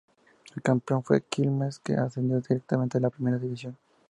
El campeón fue Quilmes, que ascendió directamente a Primera División.